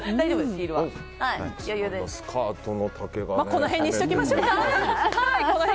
この辺にしておきましょう。